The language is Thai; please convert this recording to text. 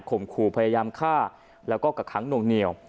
ข่มขู่พยายามฆ่าแล้วก็กระคั้งหนุ่งเหนียว